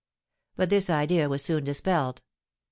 But this idea was soon dispelled.